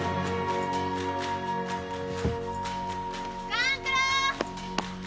・勘九郎！